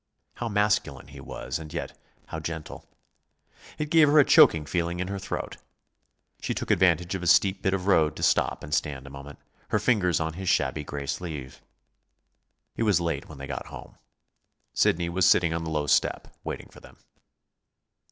How masculine he was, and yet how gentle! It gave her a choking feeling in her throat. She took advantage of a steep bit of road to stop and stand a moment, her fingers on his shabby gray sleeve. It was late when they got home. Sidney was sitting on the low step, waiting for them.